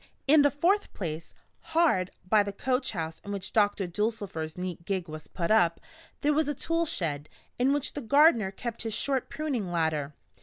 In the fourth place, hard by the coach house in which Doctor Dulcifer's neat gig was put up, there was a tool shed, in which the gardener kept his short pruning ladder.